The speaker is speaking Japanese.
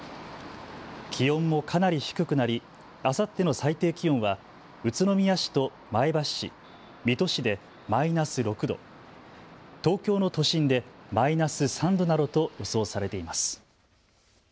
気温もかなり低くなりあさっての最低気温は宇都宮市と前橋市、水戸市でマイナス６度、東京の都心でマイナス３度などと予想されています。